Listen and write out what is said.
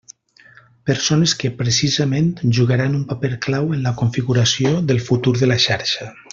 Persones que, precisament, jugaran un paper clau en la configuració del futur de la xarxa.